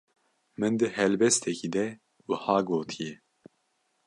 Min di helbestekî de wiha gotiye: